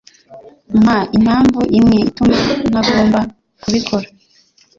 Mpa impamvu imwe ituma ntagomba kubikora.